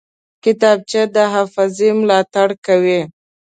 کتابچه د حافظې ملاتړ کوي